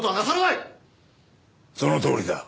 そのとおりだ。